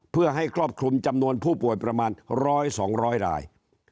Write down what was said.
เพื่อให้ครอบคลุมจำนวนผู้ป่วยประมาณ๑๐๐๒๐๐ราย